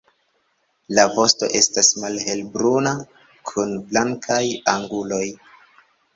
La vosto estas malhelbruna kun blankaj anguloj.